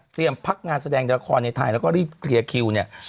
เตรียมพักงานแสดงแดกรคอนในไทยแล้วก็รีบเคลียร์คิว